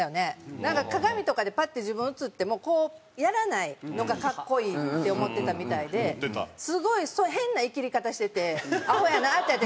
なんか鏡とかでパッて自分映ってもこうやらないのが格好いいって思ってたみたいですごい変なイキり方しててアホやなって私。